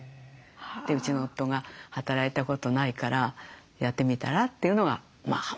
でうちの夫が「働いたことないからやってみたら？」というのが本当に初め。